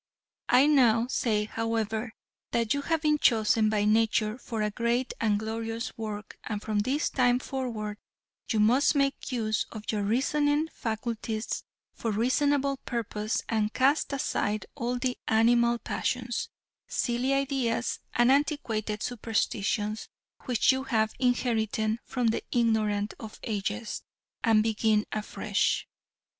I now say however that you have been chosen by nature for a great and glorious work and from this time forward you must make use of your reasoning faculties for reasonable purposes and cast aside all the animal passions, silly ideas and antiquated superstitions which you have inherited from the ignorant of ages, and begin afresh.